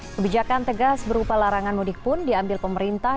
kebijakan tegas berupa larangan mudik pun diambil pemerintah